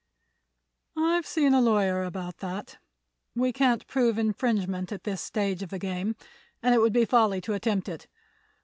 "I've seen a lawyer about that. We can't prove infringement at this stage of the game and it would be folly to attempt it.